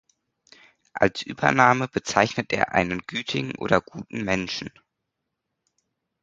Als Übername bezeichnet er einen gütigen oder guten Menschen.